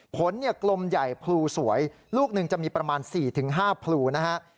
ผลกลมใหญ่พลูสวยลูกหนึ่งจะมีประมาณ๔๕พลูนะฮะ